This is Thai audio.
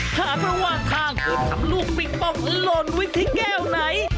หากเราวาดทางเผื่อทำลูกปิงปองหล่นไว้ที่แก้วไหน